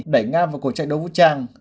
đẩy nga vào cuộc trạng đấu vũ trang